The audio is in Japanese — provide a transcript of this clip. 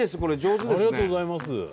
ありがとうございます。